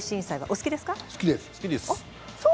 好きです。